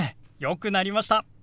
よくなりました。